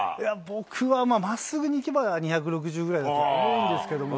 僕はまっすぐに行けば、２６０ぐらいだと思うんですけども。